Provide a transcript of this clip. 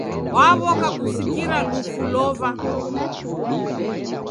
Waw'oka kusikira lufu lova.